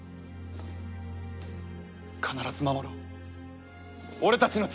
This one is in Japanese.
必ず守ろう俺たちの力で！